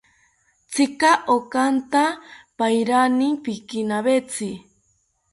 Tzika okanta pairani pikinawetzi